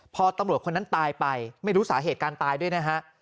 พอตำรวจคนนั้นตายไปไม่รู้สาเหตุการตายด้วยนะฮะ